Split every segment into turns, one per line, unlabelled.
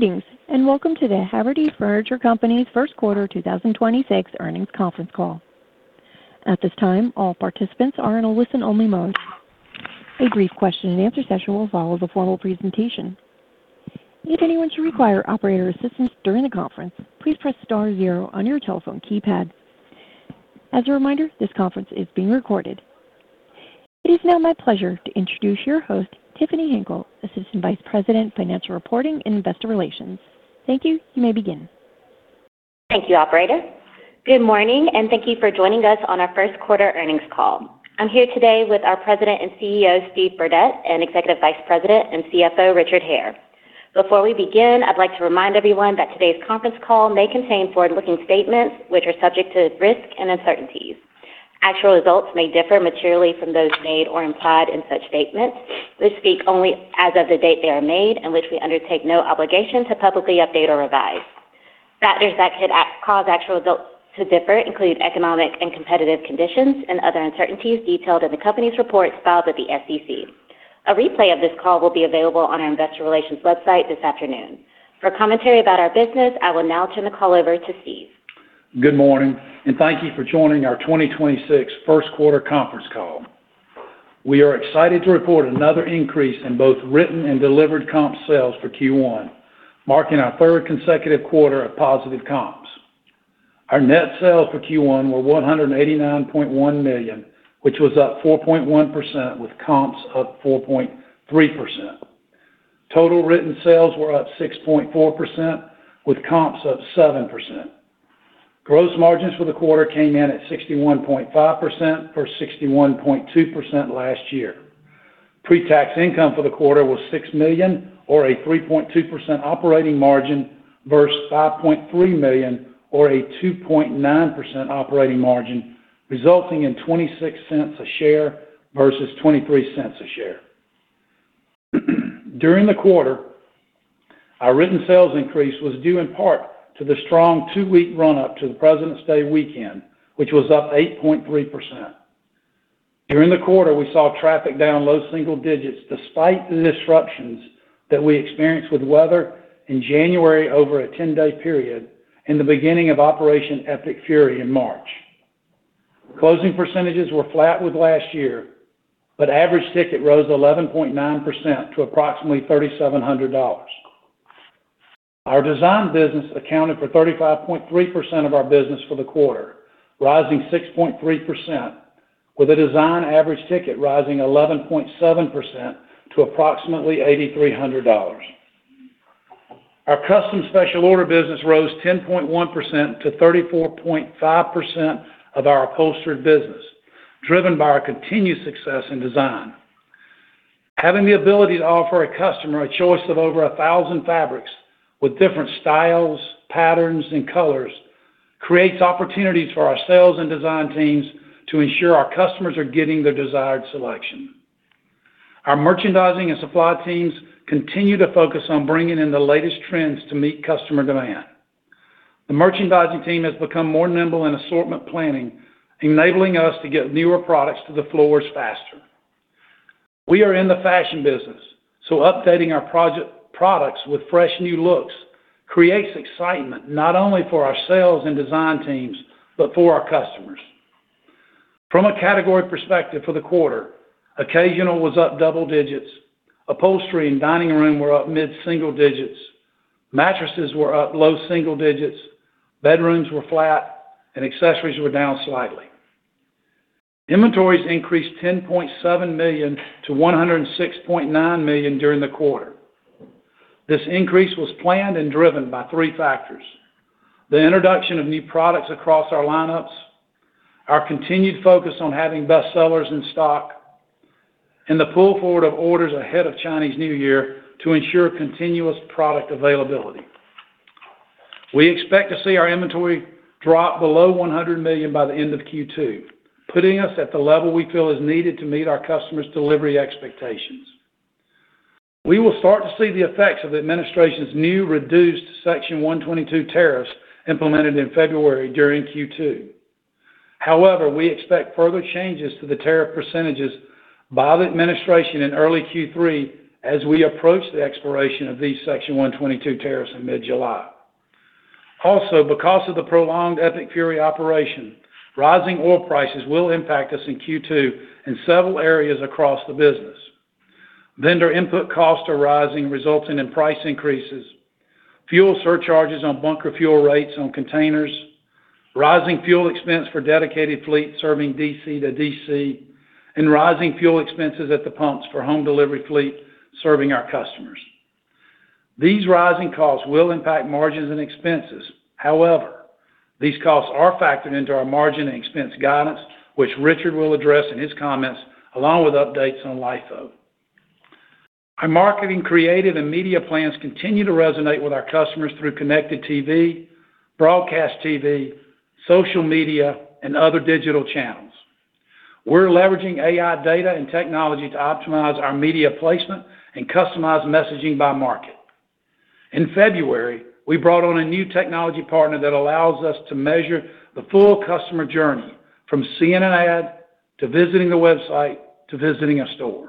Greetings, and welcome to the Haverty Furniture Companies' first quarter 2026 earnings conference call. At this time, all participants are in a listen-only mode. A brief question-and-answer session will follow the formal presentation. If anyone should require operator assistance during the conference, please press star zero on your telephone keypad. As a reminder, this conference is being recorded. It is now my pleasure to introduce your host, Tiffany Hinkle, Assistant Vice President, Financial Reporting, and Investor Relations. Thank you. You may begin.
Thank you, operator. Good morning, and thank you for joining us on our first quarter earnings call. I'm here today with our President and CEO, Steve Burdette, and Executive Vice President and CFO, Richard Hare. Before we begin, I'd like to remind everyone that today's conference call may contain forward-looking statements which are subject to risk and uncertainties. Actual results may differ materially from those made or implied in such statements, which speak only as of the date they are made and which we undertake no obligation to publicly update or revise. Factors that could cause actual results to differ include economic and competitive conditions and other uncertainties detailed in the company's reports filed with the SEC. A replay of this call will be available on our investor relations website this afternoon. For commentary about our business, I will now turn the call over to Steve.
Good morning, and thank you for joining our 2026 first quarter conference call. We are excited to report another increase in both written and delivered comp sales for Q1, marking our third consecutive quarter of positive comps. Our net sales for Q1 were $189.1 million, which was up 4.1% with comps up 4.3%. Total written sales were up 6.4% with comps up 7%. Gross margins for the quarter came in at 61.5% from 61.2% last year. Pre-tax income for the quarter was $6 million or a 3.2% operating margin versus $5.3 million or a 2.9% operating margin, resulting in $0.26 a share versus $0.23 a share. During the quarter, our written sales increase was due in part to the strong two-week run-up to the Presidents' Day weekend, which was up 8.3%. During the quarter, we saw traffic down low single digits despite the disruptions that we experienced with weather in January over a 10-day period and the beginning of Operation Epic Fury in March. Average ticket rose 11.9% to approximately $3,700. Our design business accounted for 35.3% of our business for the quarter, rising 6.3%, with a design average ticket rising 11.7% to approximately $8,300. Our custom special order business rose 10.1%-34.5% of our upholstered business, driven by our continued success in design. Having the ability to offer a customer a choice of over 1,000 fabrics with different styles, patterns, and colors creates opportunities for our sales and design teams to ensure our customers are getting their desired selection. Our merchandising and supply teams continue to focus on bringing in the latest trends to meet customer demand. The merchandising team has become more nimble in assortment planning, enabling us to get newer products to the floors faster. We are in the fashion business, so updating our products with fresh new looks creates excitement not only for our sales and design teams but for our customers. From a category perspective for the quarter, occasional was up double digits, upholstery and dining room were up mid-single digits, mattresses were up low single digits, bedrooms were flat, and accessories were down slightly. Inventories increased $10.7 million-$106.9 million during the quarter. This increase was planned and driven by three factors: the introduction of new products across our lineups, our continued focus on having best sellers in stock, and the pull forward of orders ahead of Chinese New Year to ensure continuous product availability. We expect to see our inventory drop below $100 million by the end of Q2, putting us at the level we feel is needed to meet our customers' delivery expectations. We will start to see the effects of the administration's new reduced Section 122 tariffs implemented in February during Q2. We expect further changes to the tariff percentages by the administration in early Q3 as we approach the expiration of these Section 122 tariffs in mid-July. Because of the prolonged Epic Fury operation, rising oil prices will impact us in Q2 in several areas across the business. Vendor input costs are rising, resulting in price increases, fuel surcharges on bunker fuel rates on containers, rising fuel expense for dedicated fleet serving DC to DC, and rising fuel expenses at the pumps for home delivery fleet serving our customers. These rising costs will impact margins and expenses. These costs are factored into our margin and expense guidance, which Richard will address in his comments, along with updates on LIFO. Our marketing, creative, and media plans continue to resonate with our customers through Connected TV, broadcast TV, social media, and other digital channels. We're leveraging AI data and technology to optimize our media placement and customize messaging by market. In February, we brought on a new technology partner that allows us to measure the full customer journey from seeing an ad to visiting the website, to visiting a store.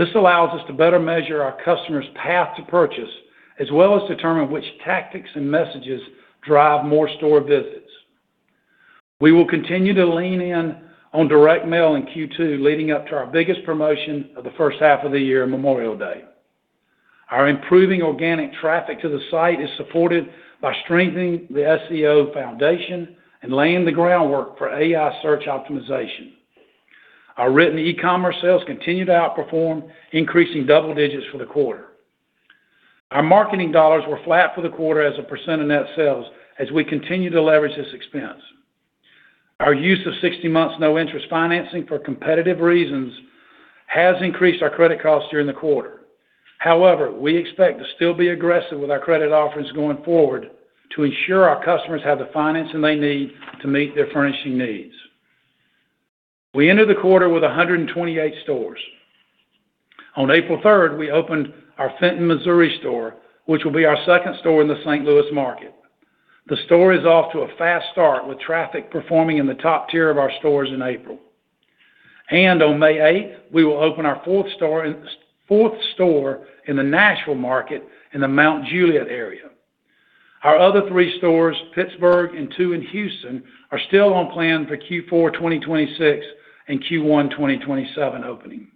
This allows us to better measure our customer's path to purchase, as well as determine which tactics and messages drive more store visits. We will continue to lean in on direct mail in Q2, leading up to our biggest promotion of the first half of the year, Memorial Day. Our improving organic traffic to the site is supported by strengthening the SEO foundation and laying the groundwork for AI search optimization. Our written e-commerce sales continue to outperform, increasing double digits for the quarter. Our marketing dollars were flat for the quarter as a percentage of net sales, as we continue to leverage this expense. Our use of 60 months, no-interest financing for competitive reasons has increased our credit costs during the quarter. We expect to still be aggressive with our credit offerings going forward to ensure our customers have the financing they need to meet their furnishing needs. We ended the quarter with 128 stores. On April third, we opened our Fenton, Missouri store, which will be our second store in the St. Louis market. The store is off to a fast start, with traffic performing in the top tier of our stores in April. On May 8, we will open our fourth store in the Nashville market, in the Mount Juliet area. Our other three stores, Pittsburgh and two in Houston, are still on plan for Q4 2026 and Q1 2027 opening.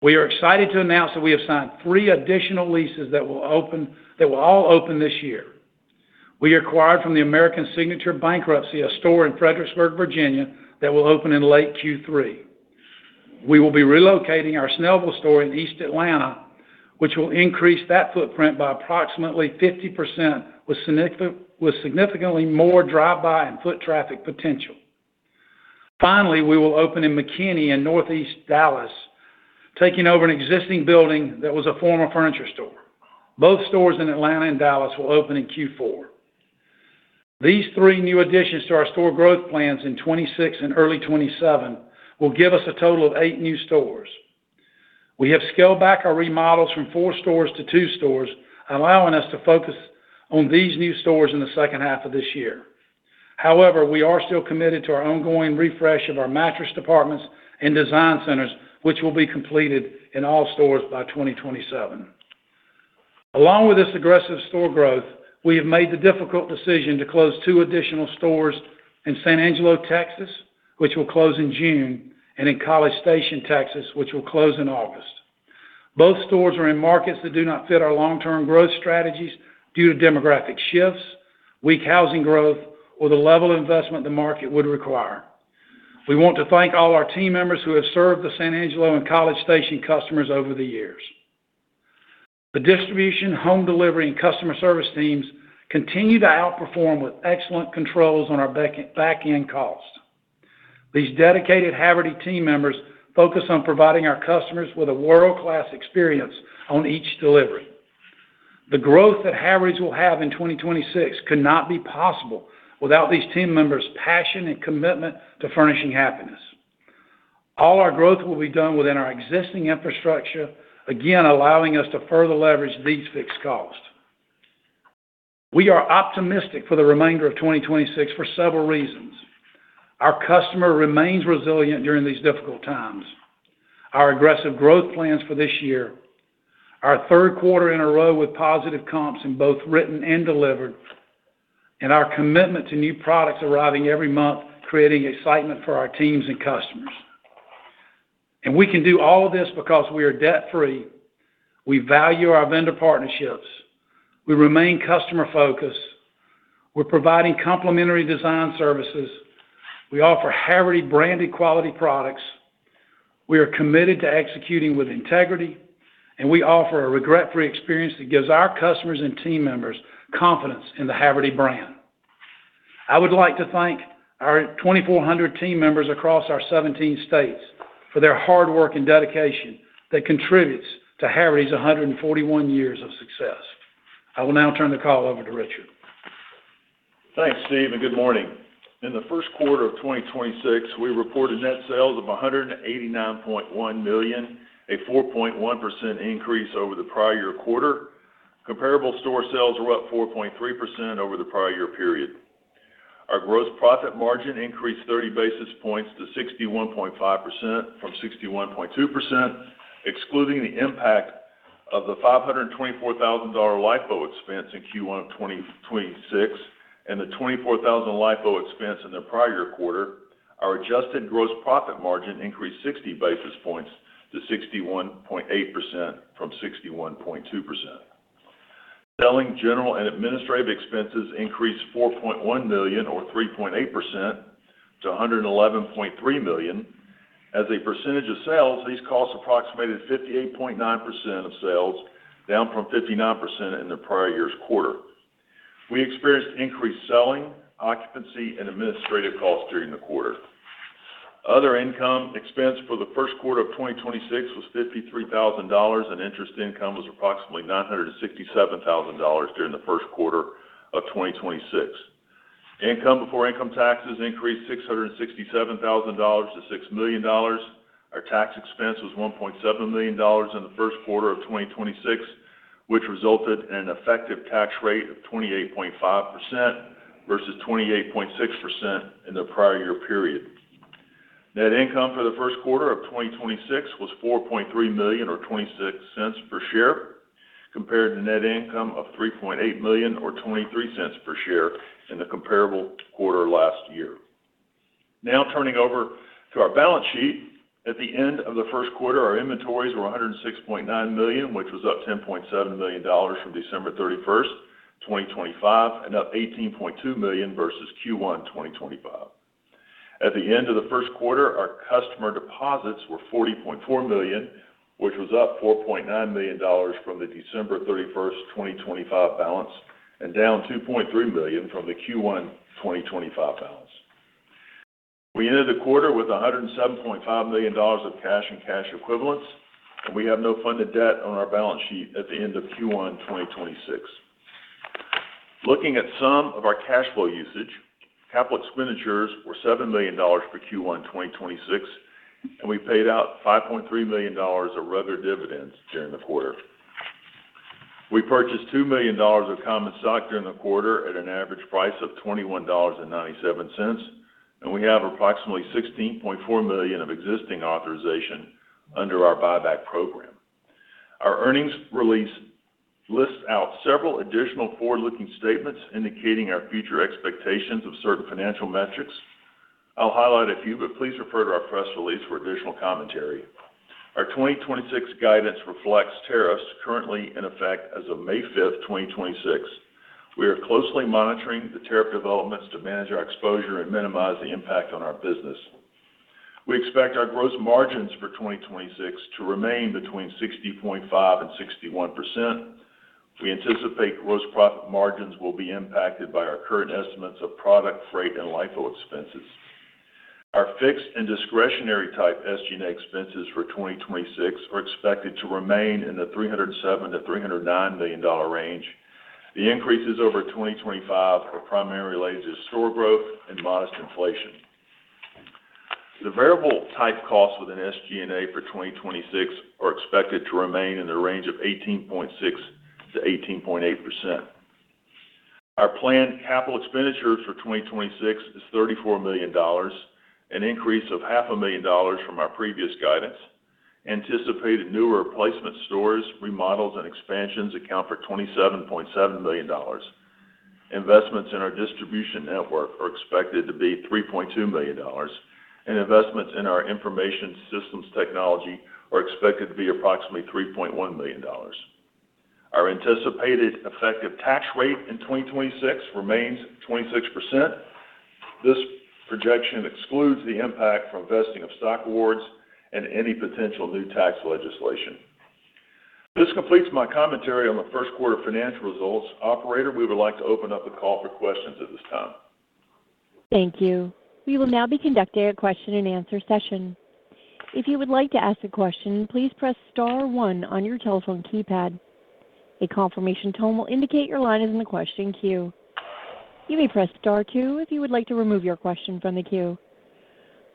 We are excited to announce that we have signed three additional leases that will all open this year. We acquired from the American Signature bankruptcy, a store in Fredericksburg, Virginia, that will open in late Q3. We will be relocating our Snellville store in East Atlanta, which will increase that footprint by approximately 50% with significantly more drive-by and foot traffic potential. Finally, we will open in McKinney in Northeast Dallas, taking over an existing building that was a former furniture store. Both stores in Atlanta and Dallas will open in Q4. These three new additions to our store growth plans in 2026 and early 2027 will give us a total of eight new stores. We have scaled back our remodels from 4 stores-2 stores, allowing us to focus on these new stores in the second half of this year. We are still committed to our ongoing refresh of our mattress departments and design centers, which will be completed in all stores by 2027. With this aggressive store growth, we have made the difficult decision to close two additional stores in San Angelo, Texas, which will close in June, and in College Station, Texas, which will close in August. Both stores are in markets that do not fit our long-term growth strategies due to demographic shifts, weak housing growth, or the level of investment the market would require. We want to thank all our team members who have served the San Angelo and College Station customers over the years. The distribution, home delivery, and customer service teams continue to outperform with excellent controls on our back-end cost. These dedicated Havertys team members focus on providing our customers with a world-class experience on each delivery. The growth that Havertys will have in 2026 could not be possible without these team members' passion and commitment to furnishing happiness. All our growth will be done within our existing infrastructure, again, allowing us to further leverage these fixed costs. We are optimistic for the remainder of 2026 for several reasons. Our customer remains resilient during these difficult times. Our aggressive growth plans for this year, our third quarter in a row with positive comps in both written and delivered, and our commitment to new products arriving every month, creating excitement for our teams and customers. We can do all this because we are debt-free, we value our vendor partnerships, we remain customer-focused, we're providing complimentary design services, we offer Havertys-branded quality products, we are committed to executing with integrity, and we offer a regret-free experience that gives our customers and team members confidence in the Havertys brand. I would like to thank our 2,400 team members across our 17 states for their hard work and dedication that contributes to Havertys' 141 years of success. I will now turn the call over to Richard.
Thanks, Steve, good morning. In the first quarter of 2026, we reported net sales of $189.1 million, a 4.1% increase over the prior year quarter. Comparable store sales were up 4.3% over the prior year period. Our gross profit margin increased 30 basis points to 61.5% from 61.2%. Excluding the impact of the $524,000 LIFO expense in Q1 of 2026, and the $24,000 LIFO expense in the prior quarter, our adjusted gross profit margin increased 60 basis points to 61.8% from 61.2%. Selling, general, and administrative expenses increased $4.1 million or 3.8% to $111.3 million. As a percentage of sales, these costs approximated 58.9% of sales, down from 59% in the prior year's quarter. We experienced increased selling, occupancy, and administrative costs during the quarter. Other income expense for the first quarter of 2026 was $53,000, and interest income was approximately $967,000 during the first quarter of 2026. Income before income taxes increased $667,000-$6 million. Our tax expense was $1.7 million in the first quarter of 2026, which resulted in an effective tax rate of 28.5% versus 28.6% in the prior year period. Net income for the first quarter of 2026 was $4.3 million, or $0.26 per share, compared to net income of $3.8 million or $0.23 per share in the comparable quarter last year. Turning over to our balance sheet. At the end of the first quarter, our inventories were $106.9 million, which was up $10.7 million from December 31, 2025, and up $18.2 million versus Q1 2025. At the end of the first quarter, our customer deposits were $40.4 million, which was up $4.9 million from the December 31, 2025 balance, and down $2.3 million from the Q1 2025 balance. We ended the quarter with $107.5 million of cash and cash equivalents. We have no funded debt on our balance sheet at the end of Q1 2026. Looking at some of our cash flow usage, capital expenditures were $7 million for Q1 2026. We paid out $5.3 million of regular dividends during the quarter. We purchased $2 million of common stock during the quarter at an average price of $21.97. We have approximately $16.4 million of existing authorization under our buyback program. Our earnings release lists out several additional forward-looking statements indicating our future expectations of certain financial metrics. I'll highlight a few. Please refer to our press release for additional commentary. Our 2026 guidance reflects tariffs currently in effect as of May 5, 2026. We are closely monitoring the tariff developments to manage our exposure and minimize the impact on our business. We expect our gross margins for 2026 to remain between 60.5% and 61%. We anticipate gross profit margins will be impacted by our current estimates of product, freight, and LIFO expenses. Our fixed and discretionary-type SG&A expenses for 2026 are expected to remain in the $307 million-$309 million range. The increases over 2025 are primarily related to store growth and modest inflation. The variable-type costs within SG&A for 2026 are expected to remain in the range of 18.6%-18.8%. Our planned capital expenditures for 2026 is $34 million, an increase of half a million dollars from our previous guidance. Anticipated new replacement stores, remodels, and expansions account for $27.7 million. Investments in our distribution network are expected to be $3.2 million, and investments in our information systems technology are expected to be approximately $3.1 million. Our anticipated effective tax rate in 2026 remains 26%. This projection excludes the impact from vesting of stock awards and any potential new tax legislation. This completes my commentary on the first quarter financial results. Operator, we would like to open up the call for questions at this time.
Thank you. We will now begin our Q&A session. If you would like to ask a question please press star one on your telephone keypad. A confirmation tone will indicate your line is in the question queue. You may press star two if you would like to remove your question from the queue.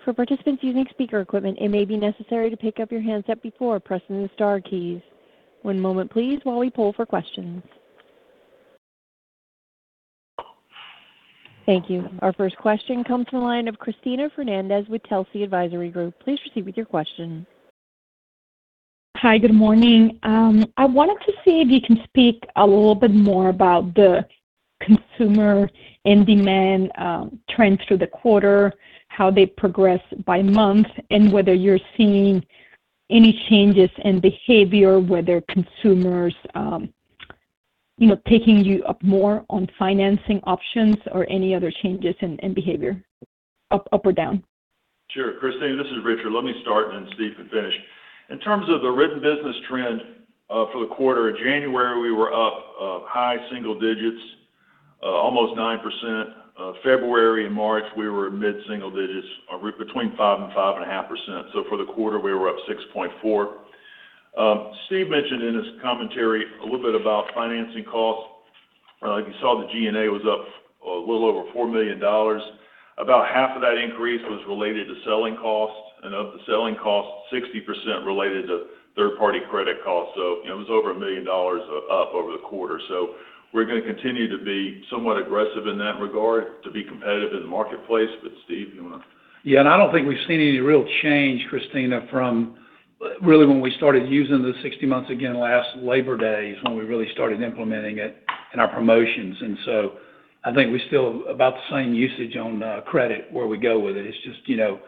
For participants using speaker it will be necessary to pick up your handset before pressing the star key. One moment please while we pile the questions. Our first question comes from the line of Cristina Fernandez with Telsey Advisory Group. Please proceed with your question.
Hi, good morning. I wanted to see if you can speak a little bit more about the consumer and demand, trends through the quarter, how they progress by month, and whether you're seeing any changes in behavior, whether consumers, you know, taking you up more on financing options or any other changes in behavior up or down?
Sure, Cristina, this is Richard. Let me start. Then Steve can finish. In terms of the written business trend, for the quarter, in January we were up high single digits, almost 9%. February and March we were mid single digits, between 5% and 5.5%. For the quarter we were up 6.4%. Steve mentioned in his commentary a little bit about financing costs. If you saw the G&A was up a little over $4 million. About half of that increase was related to selling costs. Of the selling costs, 60% related to third-party credit costs. You know, it was over $1 million up over the quarter. We're gonna continue to be somewhat aggressive in that regard to be competitive in the marketplace. Steve, you want to-
Yeah, and I don't think we've seen any real change, Cristina, from really when we started using the 60 months again last Labor Day is when we really started implementing it in our promotions. I think we're still about the same usage on credit where we go with it. It's just, you know,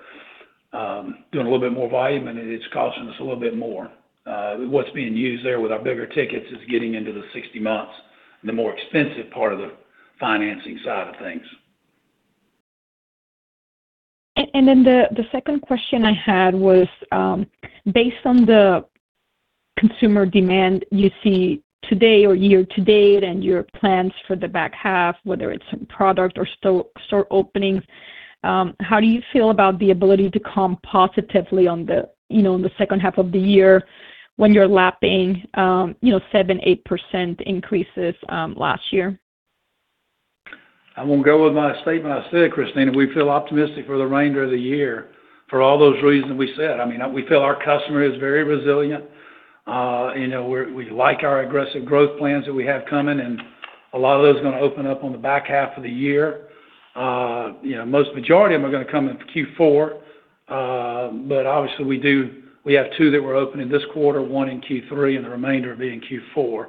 doing a little bit more volume and it's costing us a little bit more. What's being used there with our bigger tickets is getting into the 60 months, the more expensive part of the financing side of things.
The second question I had was, based on the consumer demand you see today or year to date and your plans for the back half, whether it's product or store openings, how do you feel about the ability to comp positively on the, you know, on the second half of the year when you're lapping, you know, 7%, 8% increases last year?
I'm gonna go with my statement I said, Cristina. We feel optimistic for the remainder of the year for all those reasons we said. I mean, we feel our customer is very resilient. You know, we like our aggressive growth plans that we have coming, and a lot of those are gonna open up on the back half of the year. You know, most majority of them are gonna come in Q4. But obviously we have two that we're opening this quarter, one in Q3, and the remainder will be in Q4.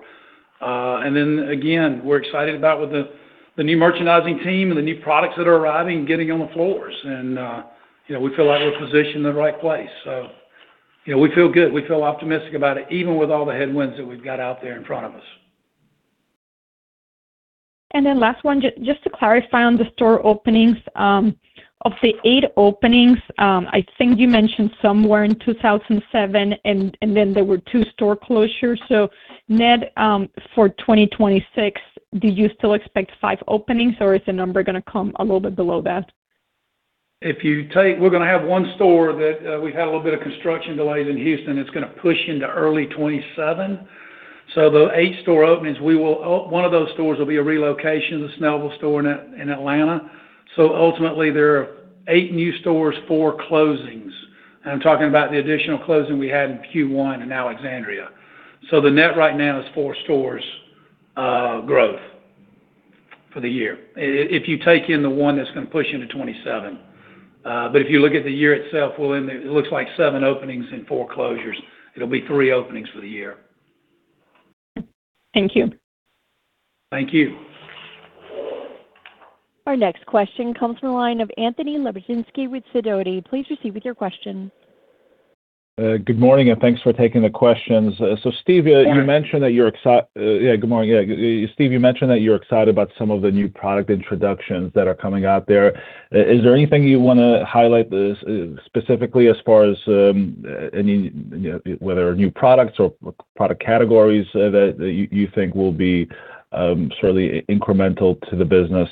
Then again, we're excited about with the new merchandising team and the new products that are arriving and getting on the floors. You know, we feel like we're positioned in the right place. You know, we feel good. We feel optimistic about it, even with all the headwinds that we've got out there in front of us.
Last one, just to clarify on the store openings. Of the eight openings, I think you mentioned some were in 2007, and then there were two store closures. Net, for 2026, do you still expect five openings, or is the number gonna come a little bit below that?
We're gonna have one store that we've had a little bit of construction delays in Houston. It's gonna push into early 2027. The eight store openings, one of those stores will be a relocation, the Snellville store in Atlanta. Ultimately, there are eight new stores, four closings. I'm talking about the additional closing we had in Q1 in Alexandria. The net right now is four stores growth for the year if you take in the one that's gonna push into 2027. If you look at the year itself, it looks like seven openings and four closures. It'll be three openings for the year.
Thank you.
Thank you.
Our next question comes from the line of Anthony Lebiedzinski with Sidoti. Please proceed with your question.
Good morning. Thanks for taking the questions. Steve.
Yeah.
Good morning. Steve, you mentioned that you're excited about some of the new product introductions that are coming out there. Is there anything you wanna highlight specifically as far as any, you know, whether new products or product categories that you think will be sort of incremental to the business?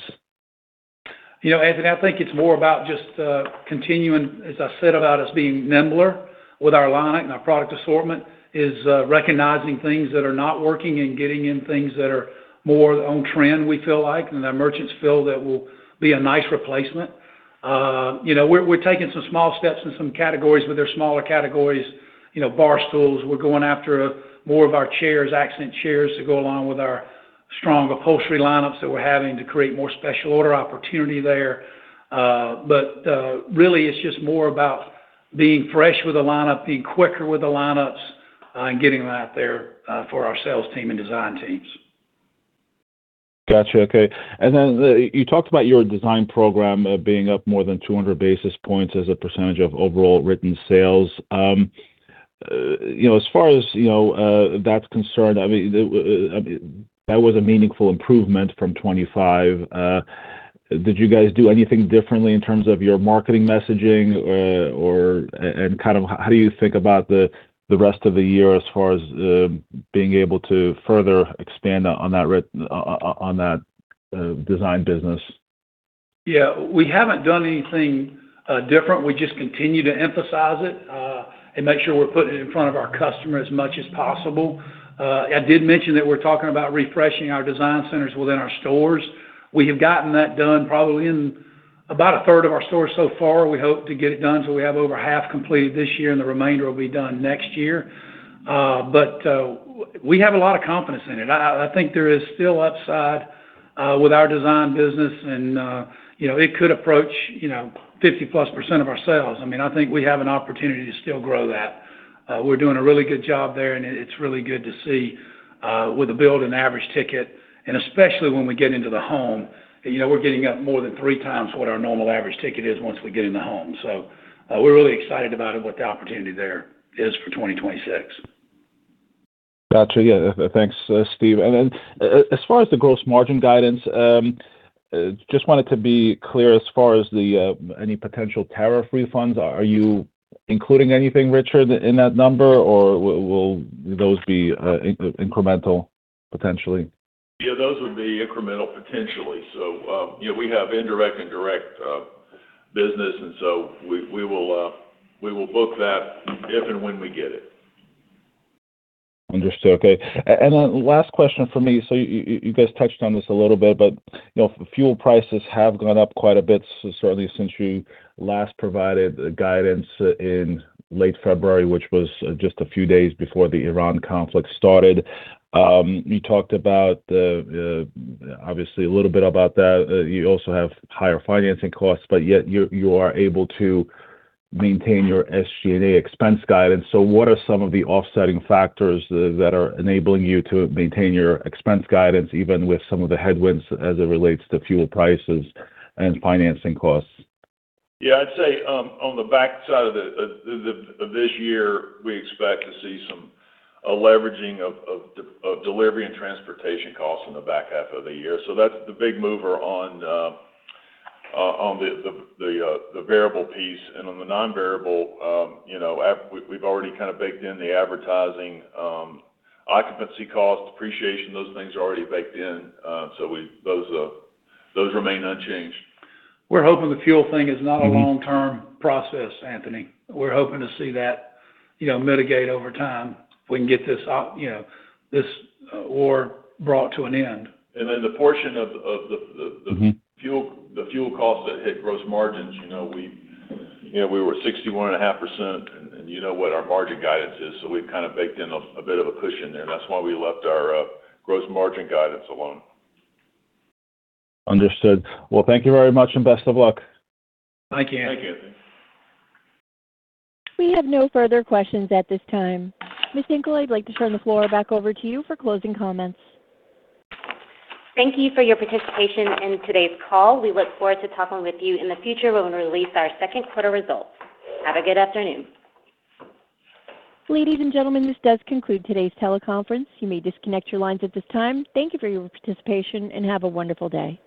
You know, Anthony, I think it's more about just continuing, as I said, about us being nimbler with our lineup and our product assortment, is recognizing things that are not working and getting in things that are more on trend, we feel like, and our merchants feel that will be a nice replacement. You know, we're taking some small steps in some categories where they're smaller categories. You know, bar stools. We're going after more of our chairs, accent chairs to go along with our strong upholstery lineups that we're having to create more special order opportunity there. Really it's just more about being fresh with the lineup, being quicker with the lineups, and getting them out there for our sales team and design teams.
Gotcha. Okay. You talked about your design program, being up more than 200 basis points as a percentage of overall written sales. You know, as far as, you know, that's concerned, that was a meaningful improvement from 25. Did you guys do anything differently in terms of your marketing messaging? Kind of how do you think about the rest of the year as far as being able to further expand on that design business?
Yeah. We haven't done anything different. We just continue to emphasize it and make sure we're putting it in front of our customer as much as possible. I did mention that we're talking about refreshing our design centers within our stores. We have gotten that done probably in about a third of our stores so far. We hope to get it done so we have over half completed this year, and the remainder will be done next year. We have a lot of confidence in it. I think there is still upside with our design business and, you know, it could approach, you know, 50%+ of our sales. I mean, I think we have an opportunity to still grow that. We're doing a really good job there, and it's really good to see with the build and average ticket, and especially when we get into the home. You know, we're getting up more than 3x what our normal average ticket is once we get in the home. We're really excited about it, what the opportunity there is for 2026.
Gotcha. Thanks, Steve. As far as the gross margin guidance, just wanted to be clear as far as the any potential tariff refunds. Are you including anything, Richard, in that number, or will those be incremental potentially?
Yeah, those would be incremental potentially. You know, we have indirect and direct business, we will book that if and when we get it.
Understood. Okay. Then last question from me. You guys touched on this a little bit, but, you know, fuel prices have gone up quite a bit certainly since you last provided the guidance in late February, which was just a few days before the Iran conflict started. You talked about the, obviously a little bit about that. You also have higher financing costs, but yet you're, you are able to maintain your SG&A expense guidance. What are some of the offsetting factors that are enabling you to maintain your expense guidance, even with some of the headwinds as it relates to fuel prices and financing costs?
Yeah, I'd say, on the back side of the of this year, we expect to see some, a leveraging of delivery and transportation costs in the back half of the year. That's the big mover on the variable piece. On the non-variable, you know, we've already kind of baked in the advertising, occupancy cost, depreciation. Those things are already baked in, those remain unchanged.
We're hoping the fuel thing is not- A long-term process, Anthony. We're hoping to see that, you know, mitigate over time if we can get this, you know, this war brought to an end.
The portion of. The fuel costs that hit gross margins, you know, we were 61.5%, and you know what our margin guidance is, so we've kind of baked in a bit of a cushion there. That's why we left our gross margin guidance alone.
Understood. Well, thank you very much, and best of luck.
Thank you.
Thank you.
We have no further questions at this time. Ms. Hinkle, I'd like to turn the floor back over to you for closing comments.
Thank you for your participation in today's call. We look forward to talking with you in the future when we release our second quarter results. Have a good afternoon.
Ladies and gentlemen, this does conclude today's teleconference. You may disconnect your lines at this time. Thank you for your participation, and have a wonderful day.